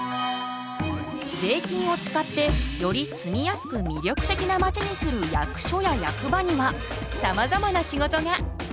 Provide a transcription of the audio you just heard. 税金を使ってより住みやすく魅力的なまちにする役所や役場にはさまざまな仕事が。